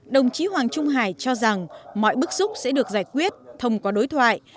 đồng chí hoàng trung hải cho rằng mọi bức xúc sẽ được giải quyết thông qua đối thoại